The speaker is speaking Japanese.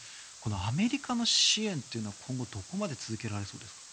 アメリカの支援というのは今後どこまで続けられそうですか。